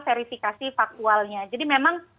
verifikasi faktualnya jadi memang